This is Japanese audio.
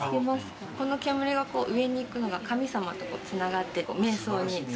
この煙が上にいくのが神様とつながって瞑想に使われたり。